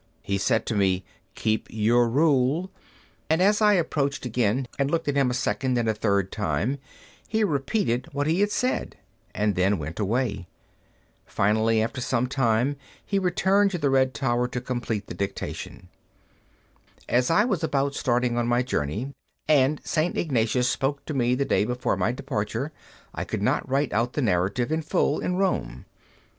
He said to me, "Keep your rule." And as I approached again, and looked at him a second and a third time, he repeated what he had said and then went away. Finally, after some time, he returned to the red tower to complete the dictation. As I was about starting on my journey, and St. Ignatius spoke to me the day before my departure, I could not write out the narrative in full at Rome.